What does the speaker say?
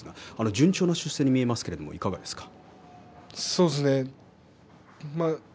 順調な出世に見えますがいかがですか？